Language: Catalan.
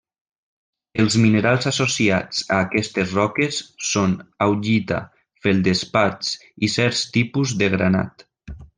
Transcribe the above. Els minerals associats a aquestes roques són augita, feldespats i certs tipus de granat.